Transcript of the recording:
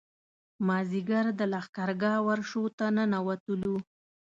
مازیګر د لښکرګاه ورشو ته ننوتلو.